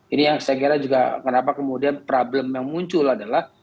ini yang saya kira juga kenapa kemudian problem yang muncul adalah